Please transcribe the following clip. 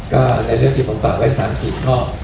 ก็ในเรื่องที่ผมฝากไว้๓๐ข้อ